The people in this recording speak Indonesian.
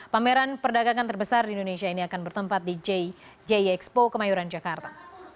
pameran perdagangan terbesar di indonesia ini akan bertempat di jie expo kemayoran jakarta